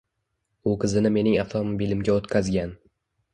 U qizini mening avtomobilimga o’tqazgan.